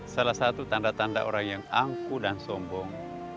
salah satu tanda tanda orang yang angku dan sombong